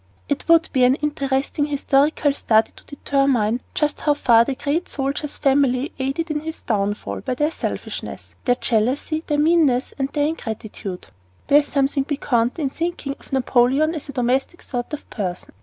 It would be an interesting historical study to determine just how far the great soldier's family aided in his downfall by their selfishness, their jealousy, their meanness, and their ingratitude. There is something piquant in thinking of Napoleon as a domestic sort of person.